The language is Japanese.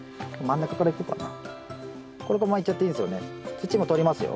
土も取りますよ。